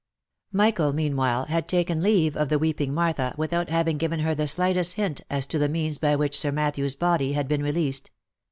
Michael, meanwhile, had taken leave of the weeping Martha without having given her the slightest hint as to the means by which Sir Matthew's body had been released.